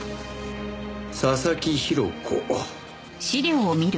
佐々木広子。